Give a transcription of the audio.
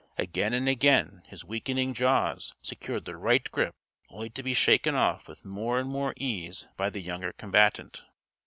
Again and again his weakening jaws secured the right grip only to be shaken off with more and more ease by the younger combatant.